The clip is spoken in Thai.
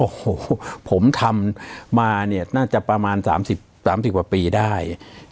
โอ้โหผมทำมาเนี่ยน่าจะประมาณ๓๐๓๐กว่าปีได้